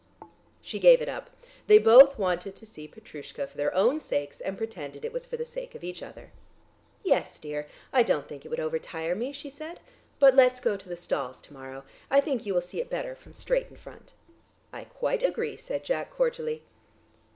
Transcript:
She gave it up; they both wanted to see "Petroushka" for their own sakes, and pretended it was for the sake of each other. "Yes, dear, I don't think it would overtire me," she said. "But let's go to the stalls to morrow. I think you will see it better from straight in front." "I quite agree," said Jack cordially.